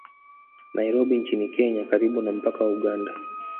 Nairobi nchini Kenya karibu na mpaka wa Uganda